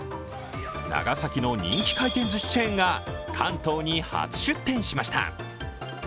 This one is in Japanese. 長崎の人気回転ずしチェーンが関東に初出店しました。